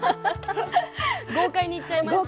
豪快にいっちゃいました。